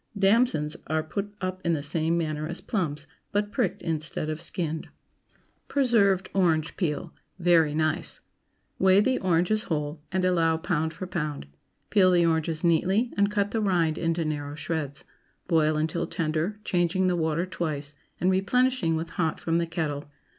DAMSONS Are put up in the same manner as plums, but pricked instead of skinned. PRESERVED ORANGE PEEL. (Very nice.) ✠ Weigh the oranges whole, and allow pound for pound. Peel the oranges neatly and cut the rind into narrow shreds. Boil until tender, changing the water twice, and replenishing with hot from the kettle.